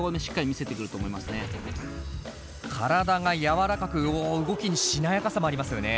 体が柔らかくお動きにしなやかさもありますよね。